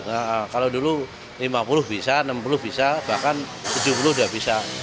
nah kalau dulu lima puluh bisa enam puluh bisa bahkan tujuh puluh udah bisa